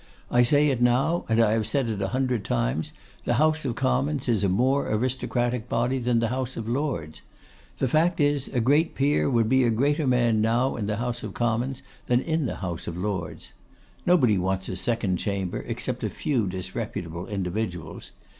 I say it now, and I have said it a hundred times, the House of Commons is a more aristocratic body than the House of Lords. The fact is, a great peer would be a greater man now in the House of Commons than in the House of Lords. Nobody wants a second chamber, except a few disreputable individuals.